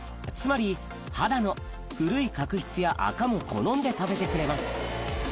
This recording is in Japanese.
つまり肌の古い角質やアカも好んで食べてくれます